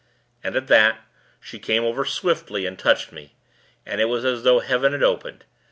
And, at that, she came over, swiftly, and touched me, and it was as though heaven had opened.